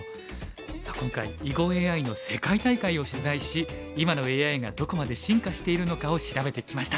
さあ今回囲碁ＡＩの世界大会を取材し今のＡＩがどこまで進化しているのかを調べてきました。